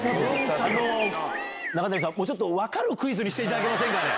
中谷さん、もうちょっと分かるクイズにしていただけませんかね。